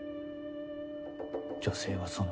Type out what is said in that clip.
女性はそのあと